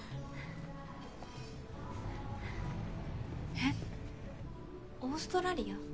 えっオーストラリア？